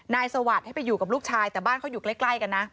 สวัสดิ์ให้ไปอยู่กับลูกชายแต่บ้านเขาอยู่ใกล้กันนะ